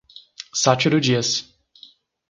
Sátiro Dias